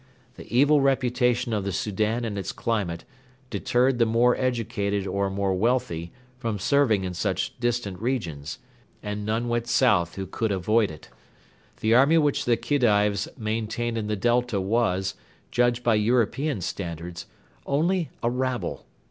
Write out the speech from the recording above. The evil reputation of the Soudan and its climate deterred the more educated or more wealthy from serving in such distant regions, and none went south who could avoid it. The army which the Khedives maintained in the Delta was, judged by European standards, only a rabble.